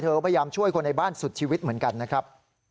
พยายามช่วยคนในบ้านสุดชีวิตเหมือนกันนะครับ